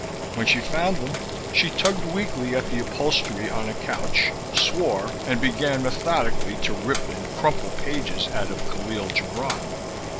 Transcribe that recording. When she found them, she tugged weakly at the upholstery on a couch, swore and began methodically to rip and crumple pages out of Kahlil Gibran.